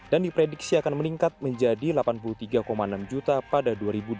dan diprediksi akan meningkat menjadi delapan puluh tiga enam juta pada dua ribu dua puluh lima